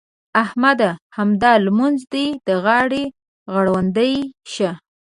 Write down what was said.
احمده! همدا لمونځ دې د غاړې غړوندی شه.